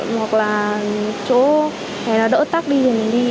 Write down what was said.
hoặc là chỗ đỡ tắc đi thì mình đi